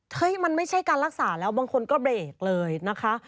เฮ้ยมันไม่ใช่การรักษาแล้วบางคนก็เบรกเลยนะคะ